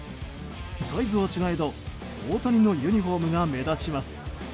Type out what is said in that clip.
サイズは違えど大谷のユニホームが目立ちます。